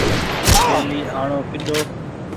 پهلي آڻو ڪيۮو۔